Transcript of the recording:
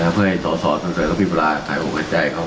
เพื่อให้สอนส่วนเสร็จแล้วเวลาไห่